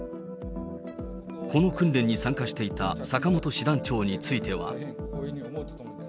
この訓練に参加していた坂本師団長については。